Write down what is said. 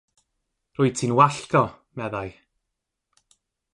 ‘Rwyt ti'n wallgo',' meddai.